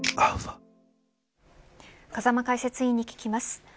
風間解説委員に聞きます。